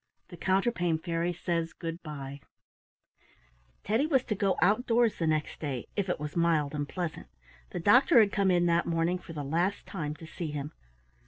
THE COUNTERPANE FAIRY SAYS GOOD BYE Teddy was to go out doors the next day if it was mild and pleasant. The doctor had come in that morning for the last time to see him.